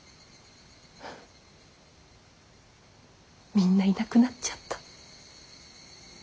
みんないなくなっちゃった。